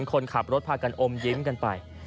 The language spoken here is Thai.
คนขับรถพากันอมยิ้มกันไป